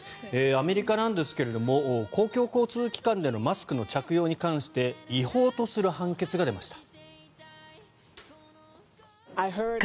アメリカなんですが公共交通機関でのマスクの着用に関して違法とする判決が出ました。